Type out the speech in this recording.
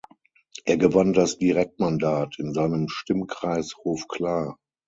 Er gewann das Direktmandat in seinem Stimmkreis Hof klar.